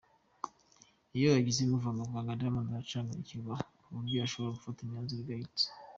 Iyo agize ibumuvangavanga, Diamond aracanganyukirwa ku buryo ashobora gufata imyanzuro igayitse.